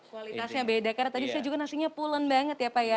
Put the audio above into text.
kualitasnya beda karena tadi saya juga nasinya pulen banget ya pak ya